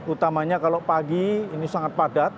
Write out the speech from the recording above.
utamanya kalau pagi ini sangat padat